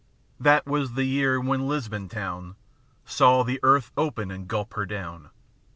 That was the year when Lisbon town Saw the earth open and gulp her down.